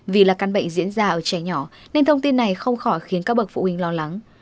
vì là căn bệnh diễn ra ở trẻ nhỏ nên thông tin này không khỏi khiến các bậc phụ huynh lo lắng